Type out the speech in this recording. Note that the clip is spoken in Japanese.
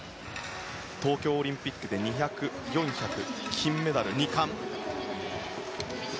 東京オリンピックで２００、４００と金メダル２冠。